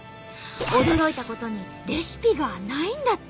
驚いたことにレシピがないんだって。